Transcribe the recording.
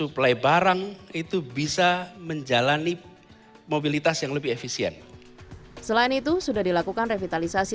barang itu bisa menjalani mobilitas yang lebih efisien selain itu sudah dilakukan revitalisasi